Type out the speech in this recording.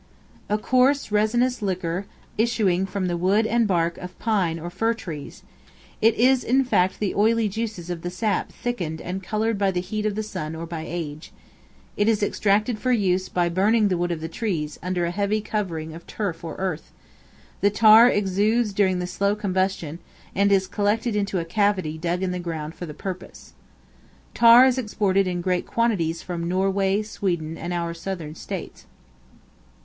A coarse, resinous liquor issuing from the wood and bark of pine or fir trees; it is in fact the oily juices of the sap thickened and colored by the heat of the sun or by age; it is extracted for use by burning the wood of the trees under a heavy covering of turf or earth; the tar exudes during the slow combustion, and is collected into a cavity dug in the ground for the purpose. Tar is exported in great quantities from Norway, Sweden, and our Southern States.